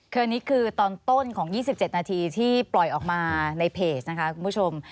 คืออันนี้คือตอนต้นของ๒๗นาทีที่ปล่อยออกมาในเพจนะคะคุณผู้ชม